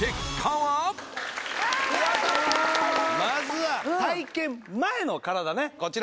まずは体験前の体ねこちら。